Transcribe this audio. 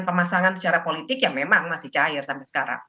pemasangan secara politik yang memang masih cair sampai sekarang